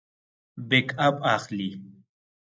بیک اپ اخلئ؟